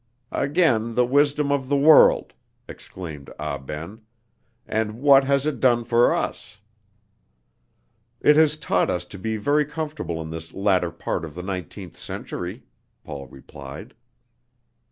"Again the wisdom of the world!" exclaimed Ah Ben, "and what has it done for us?" "It has taught us to be very comfortable in this latter part of the nineteenth century," Paul replied.